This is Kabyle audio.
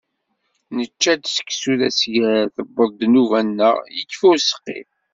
Nečča-d seksu d asgal. Tewweḍ-d nnuba-nneɣ, yekfa useqqi.